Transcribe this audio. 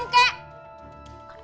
ikut merem kek